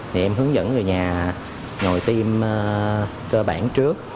thì em hướng dẫn người nhà ngồi tim cơ bản trước